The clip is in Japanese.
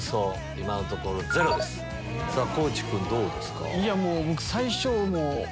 さぁ地君どうですか？